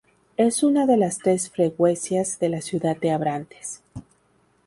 Es una de las tres freguesias de la ciudad de Abrantes.